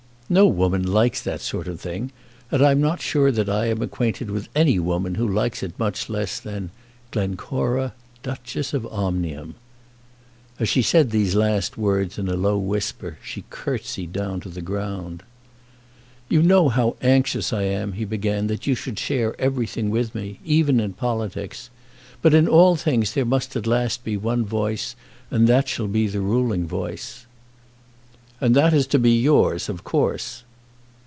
No woman likes that sort of thing, and I'm not sure that I am acquainted with any woman who likes it much less than Glencora, Duchess of Omnium." As she said these last words in a low whisper, she curtseyed down to the ground. "You know how anxious I am," he began, "that you should share everything with me, even in politics. But in all things there must at last be one voice that shall be the ruling voice." "And that is to be yours, of course."